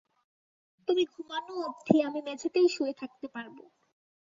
তুমি ঘুমানো অব্ধি আমি মেঝেতেই শুয়ে থাকতে পারবো।